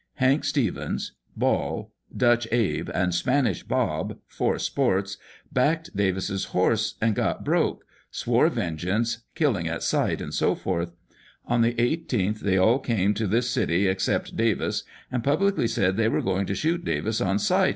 Hank Stevens, Ball, Dutch Abe, and Spanish Bob, four 'sports,' backed Davis's horse, and got broke, swore vengeance, killing at sight, &c. On the 18th they all came to this city except Davis, and publicly said they were going to shoot Davis on sight, &c.